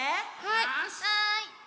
はい。